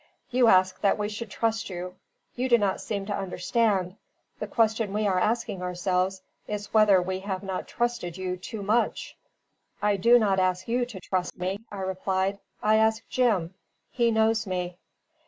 You ask that we should trust you; you do not seem to understand; the question we are asking ourselves is whether we have not trusted you too much." "I do not ask you to trust me," I replied. "I ask Jim. He knows me."